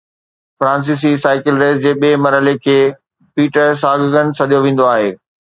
فرانسيسي cycle race جي ٻئي مرحلي کي پيٽرساگگن سڏيو ويندو آهي